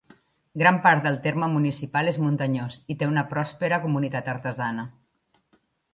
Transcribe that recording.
Gran part del terme municipal és muntanyós i té una pròspera comunitat artesana.